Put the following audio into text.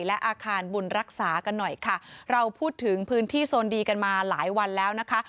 และอาคารบุญรักษากันหน่อยค่ะเราพูดถึงพื้นที่โซนดีกันมาหลายวันแล้วนะคะ